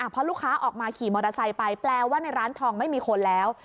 พอลูกค้าออกมาขี่มอเตอร์ไซค์ไปแปลว่าในร้านทองไม่มีคนแล้ว